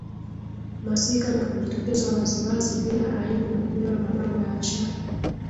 masika na kujitokeza wazi wazi bila aibu na kubeba mabango ya cha